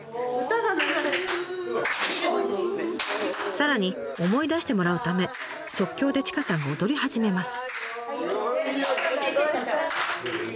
さらに思い出してもらうため即興で千賀さんが踊り始めます。